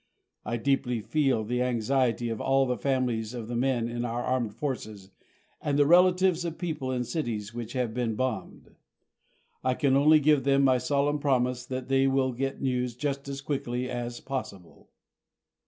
I deeply feel the anxiety of all of the families of the men in our armed forces and the relatives of people in cities which have been bombed. I can only give them my solemn promise that they will get news just as quickly as possible.